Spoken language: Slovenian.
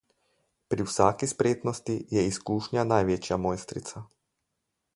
Pri vsaki spretnosti je izkušnja največja mojstrica.